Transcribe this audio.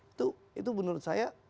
itu itu menurut saya